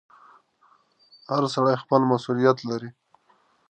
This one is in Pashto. • هر سړی خپل مسؤلیت لري.